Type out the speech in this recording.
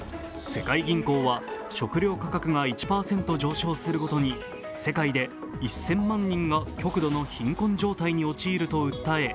世界銀行は食料価格が１％上昇するごとに世界で１０００万人が極度の貧困状態に陥ると訴え